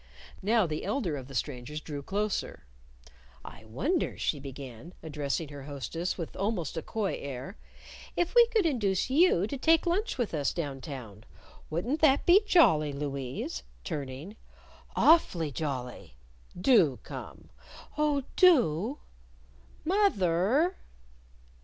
Now, the elder of the strangers drew closer. "I wonder," she began, addressing her hostess with almost a coy air, "if we could induce you to take lunch with us down town. Wouldn't that be jolly, Louise?" turning. "Awfully jolly!" "Do come!" "Oh, do!" "Moth er!"